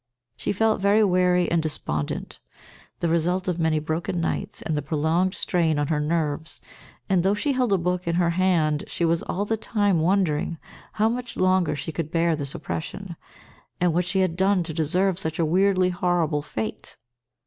She felt very weary and despondent, the result of many broken nights and the prolonged strain on her nerves, and, though she held a book in her hand she was all the time wondering how much longer she could bear this oppression, and what she had done to deserve such a weirdly horrible fate.